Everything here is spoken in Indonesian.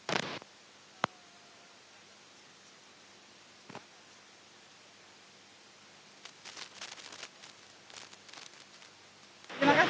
terima kasih ibu